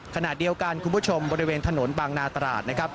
ขณะเดียวกันคุณผู้ชมบริเวณถนนบางนาตราดนะครับ